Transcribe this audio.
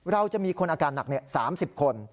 เราจะมีคนอาการหนัก๓๐คน